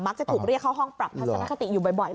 จะถูกเรียกเข้าห้องปรับทัศนคติอยู่บ่อย